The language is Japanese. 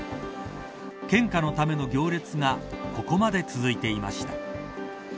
献花のための行列がここまで続いていました。